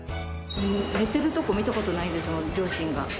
寝てるところを見たことがないです、両親が。